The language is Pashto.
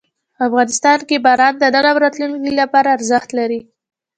افغانستان کې باران د نن او راتلونکي لپاره ارزښت لري.